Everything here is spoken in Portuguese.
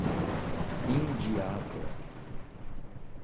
Indiada